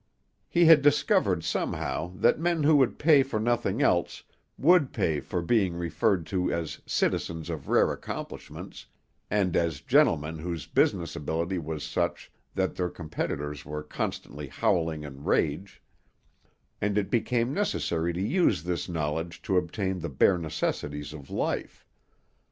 He had discovered somehow that men who would pay for nothing else would pay for being referred to as citizens of rare accomplishments, and as gentlemen whose business ability was such that their competitors were constantly howling in rage; and it became necessary to use this knowledge to obtain the bare necessities of life.